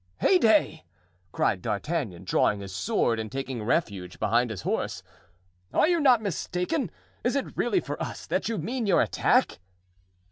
"Heyday!" cried D'Artagnan, drawing his sword and taking refuge behind his horse; "are you not mistaken? is it really for us that you mean your attack?"